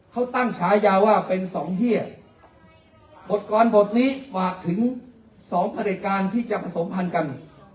เขาตั้งฉายาว่าเป็นสองเฮียดบทกรบทนี้ฝากถึงสองประเด็จการที่จะผสมพันธ์กัน